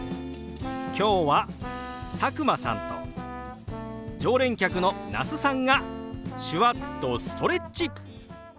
今日は佐久間さんと常連客の那須さんが手話っとストレッチ！